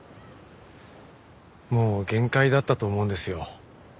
もう限界だったと思うんですよ。